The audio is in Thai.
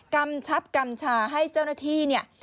กำชับกำชาให้เจ้าหน้าธี